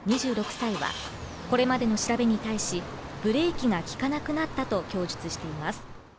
２６歳はこれまでの調べに対しブレーキがきかなくなったと供述しています